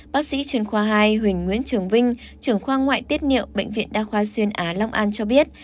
bác sĩ chuyên khoa hai huỳnh nguyễn trường vinh trưởng khoa ngoại tiết niệu bệnh viện đa khoa xuyên á long an cho biết